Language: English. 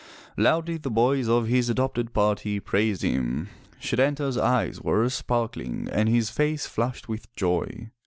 Loudly the boys of his adopted party praised him. Setanta*s eyes were sparkling and his face flushed with joy.